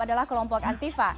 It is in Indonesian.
adalah kelompok antifa